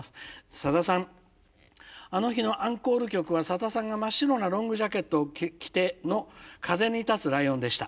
さださんあの日のアンコール曲はさださんが真っ白なロングジャケットを着ての『風に立つライオン』でした。